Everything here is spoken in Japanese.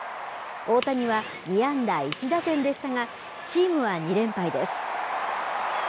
大谷は２安打１打点でしたが、チームは２連敗です。